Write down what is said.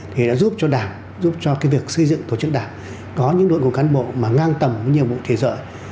thì đã giúp cho đảng giúp cho cái việc xây dựng tổ chức đảng có những đội ngũ cán bộ mà ngang tầm với nhiệm vụ thế giới